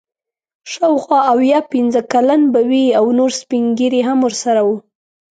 شاوخوا اویا پنځه کلن به وي او نور سپین ږیري هم ورسره وو.